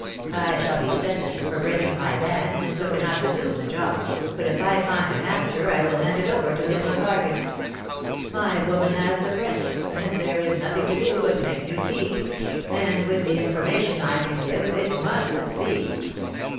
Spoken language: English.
I shall be sentenced for breaking my ban, and so cannot resume the job, but if I find an amateur I will hand it over to him a bargain. My woman has the prints, and there is nothing to do but make new keys, and with the information I can give it must succeed.